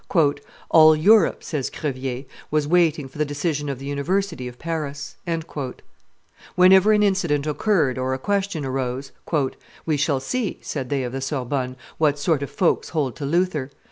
"All Europe," says Crevier, "was waiting for the decision of the University of Paris." Whenever an incident occurred or a question arose, "We shall see," said they of the Sorbonne, "what sort of folks hold to Luther.